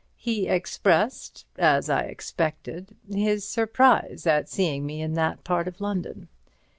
He expressed (as I expected) his surprise at seeing me in that part of London.